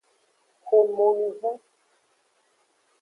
Xomonuvon.